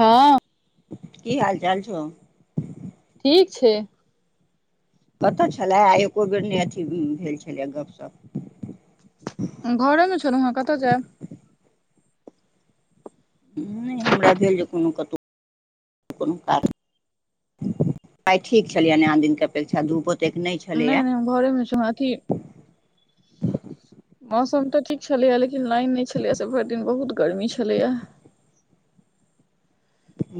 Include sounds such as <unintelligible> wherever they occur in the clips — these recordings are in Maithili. हँ। की हाल चाल छौ। ठीक छै। कतऽ छलए आ एको बेर नहि अथी भेल छलै गपशप। घरेमे छलहुँ हेँ कतऽ जायब। ह नहि हमरा भेल जे कोनो कतहु आइ ठीक छलिय आन दिन के अपेक्षा धूपो एतेक नहि छलैया। नहि हम घरेमे स अथी मौसम तऽ ठीक छलैएा लेकिन लाइन नहि छलैएा से भरि दिन बहुत गर्मी छलैएा।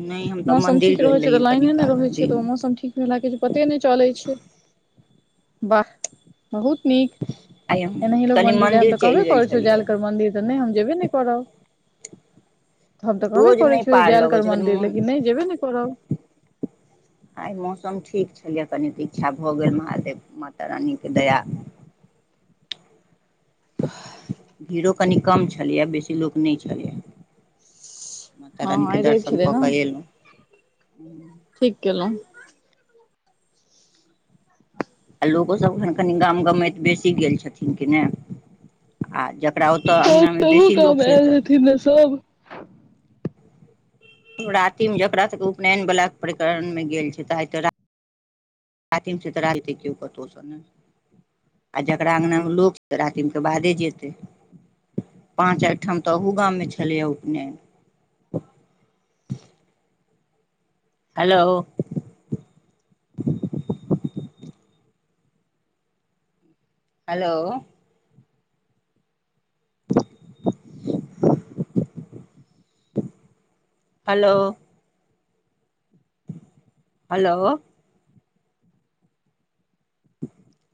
नहि हम तऽ मौसम मन्दिर ठीक रहे गेल छै तऽ रहियै कनि लाइने नहि काल रहै छै तऽ ओ दिनमे मौसम ठीक हमरा किछु पते नहि चलै छै, वाह। बहुत नीक, आइ हम एनाही लोग कनि मंदिर जाय, हम मन्दिर तऽ कहबे चलि गेल करे छो जाल छलियै कर मंदिर। त नहि हम जेबे नहि करब, हम तऽ कहबे रोज करै नहि छीिय की पार जाल लगै कर छै मन दिर, लेकिन नहि जेबै ने करब। आज मौसम ठीक छलैए कनि तऽ इच्छा भऽ गेल महादेव, माता रानी के दया भीड़ो कनि कम छलैए, बेसी लोक नहि छलैए। माता हँ रानी के आइ रवि दर्शन छलै कऽ ने कऽएयलहुँ। ठीक केलहुँ। आ लोकोसभखन कनि गाम गमैत बेसी गेल छथिन कि नहि आ जकरा तऽ अंगना मे बेशी लोक छियै तऽ थी ने सब राती मे जकरा सबके उपनयन बलाा प्रकरण में गेल छै ह त रा साथम से तऽ रहलालते क कतोस न। आ जकरा अँ्गनामे लोकऽ रातिमे बादे जेतै। पाँच आठाम तऽ ओहू गाममे छलैए उपनयन। हेलो। हेलो। हेलो। हेलो। <unintelligible>